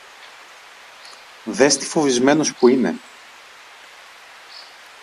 Δες τι φοβισμένος που είναι!